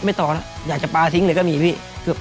ต่อแล้วอยากจะปลาทิ้งเลยก็มีพี่